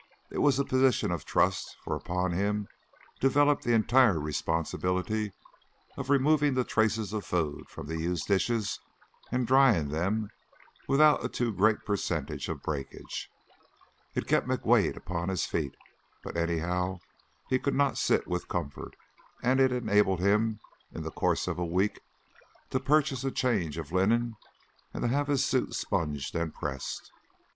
It was a position of trust, for upon him developed the entire responsibility of removing the traces of food from the used dishes, and drying them without a too great percentage of breakage. It kept McWade upon his feet, but, anyhow, he could not sit with comfort, and it enabled him, in the course of a week, to purchase a change of linen and to have his suit sponged and pressed.